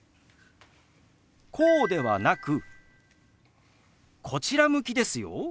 こうではなくこちら向きですよ。